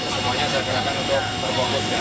semuanya saya kerahkan untuk berfokuskan